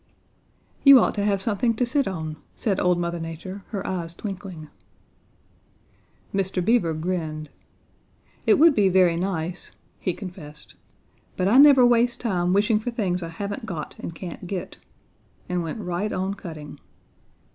"'You ought to have something to sit on,' said Old Mother Nature, her eyes twinkling. "Mr. Beaver grinned. 'It would be very nice,' he confessed, 'but I never waste time wishing for things I haven't got and can't get,' and went right on cutting.